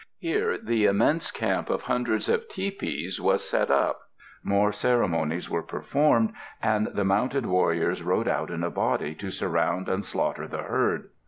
Here the immense camp of hundreds of tipis was set up, more ceremonies were performed, and the mounted warriors rode out in a body to surround and slaughter the herd.